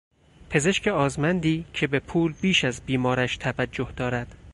پزشک آزمندی که به پول بیش از بیمارش توجه دارد